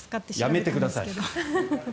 やめてください。